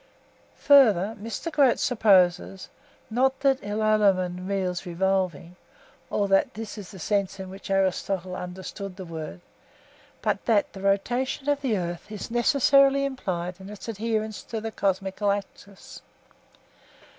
Further, Mr. Grote supposes, not that (Greek) means 'revolving,' or that this is the sense in which Aristotle understood the word, but that the rotation of the earth is necessarily implied in its adherence to the cosmical axis.